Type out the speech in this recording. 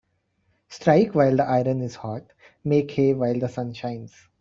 Strike while the iron is hot Make hay while the sun shines.